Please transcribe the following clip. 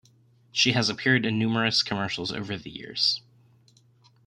She has appeared in numerous commercials over the years.